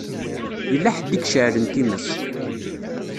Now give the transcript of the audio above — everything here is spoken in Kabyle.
Yella ḥedd i iceɛlen times.